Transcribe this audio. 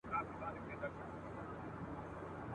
ما د خضر پر چینه مړي لیدلي `